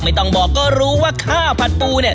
ไม่ต้องบอกเลยรู้ว่าข้าวผัดปู